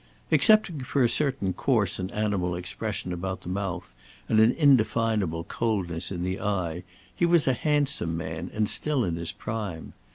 Excepting for a certain coarse and animal expression about the mouth, and an indefinable coldness in the eye, he was a handsome man and still in his prime.